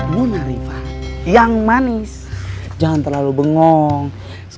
luna riva yang manis jangan terlalu keras ya